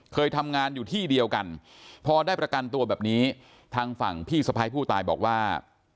เคยทำงานอยู่ที่เดียวกันพอได้ประกันตัวแบบนี้ทางฝั่งพี่สะพ้ายผู้ตายบอกว่า